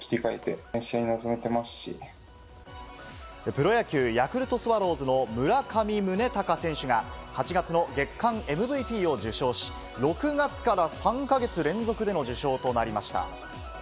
プロ野球・ヤクルトスワローズの村上宗隆選手が８月の月間ＭＶＰを受賞し、６月から３か月連続での受賞となりました。